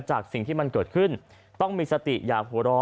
จังหวะเดี๋ยวจะให้ดูนะ